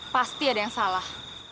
pasti ada yang salah